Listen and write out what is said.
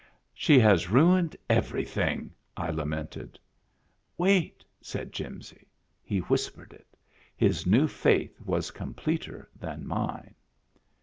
" She has ruined everything I " I lamented. " Wait !" said Jimsy. He whispered it. His new faith was completer than mine.